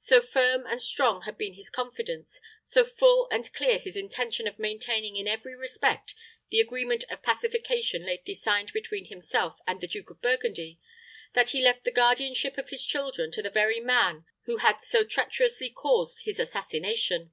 So firm and strong had been his confidence, so full and clear his intention of maintaining in every respect the agreement of pacification lately signed between himself and the Duke of Burgundy, that he left the guardianship of his children to the very man who had so treacherously caused his assassination.